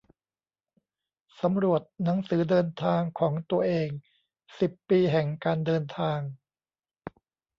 สำรวจหนังสือเดินทางของตัวเอง สิบปีแห่งการเดินทาง